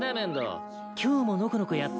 今日ものこのこやって来たのか。